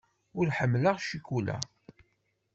Ur ḥemmleɣ ccikula.